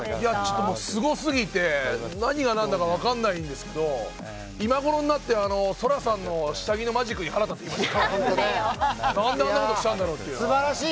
すごすぎて何が何だか分からないんですけど今頃になってＳＯＲＡさんの下着のマジックに腹立ってきました。